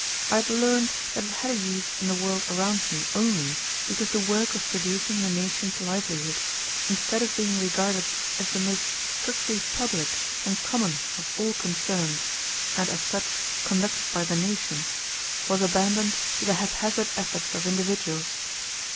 I had learned that it had a use in the world around me only because the work of producing the nation's livelihood, instead of being regarded as the most strictly public and common of all concerns, and as such conducted by the nation, was abandoned to the hap hazard efforts of individuals.